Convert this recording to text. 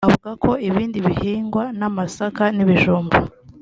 avuga ko ibindi bihingwa nk’amasaka n’ibijumba